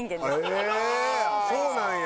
へえそうなんや。